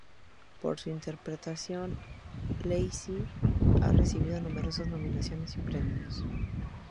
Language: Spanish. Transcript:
Por su interpretación Lacey ha recibido numerosas nominaciones y premios.